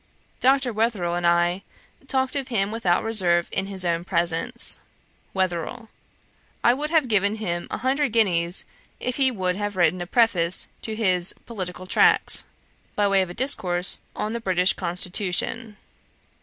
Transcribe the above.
Dr. Wetherell and I talked of him without reserve in his own presence. WETHERELL. 'I would have given him a hundred guineas if he would have written a preface to his Political Tracts, by way of a Discourse on the British Constitution.'